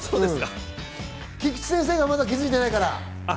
菊地先生がまだ気づいてないから。